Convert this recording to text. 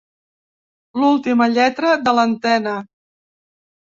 L'última lletra de l'antena.